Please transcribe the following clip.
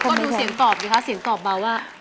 ก็ดูเสียงตอบดีครับเสียงตอบบอกว่า